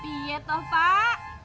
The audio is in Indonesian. iya toh pak